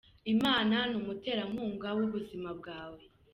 Imana ni umuterankunga w’ubuzima bwawe